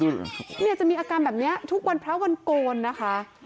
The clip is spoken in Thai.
เนี่ยจะมีอาการแบบนี้ทุกวันพระวันโกนนะคะ